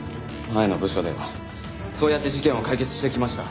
前の部署ではそうやって事件を解決してきました。